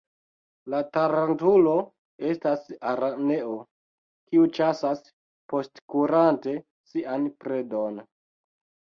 La tarantulo estas araneo, kiu ĉasas postkurante sian predon.